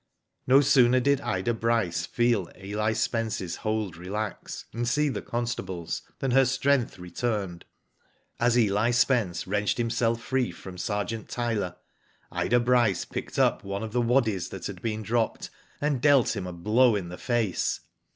No sooner did Ida Bryce feel Eli Sp^nce's hold relax, and see the constables than her strength re turned. As Eli Spence wrenched himself free from Digitized byGoogk 174 ^^O DID ITf Sergeant Tyler, Ida Bryce picked up one of the waddies that had been dropped, and dealt him a blow in the face.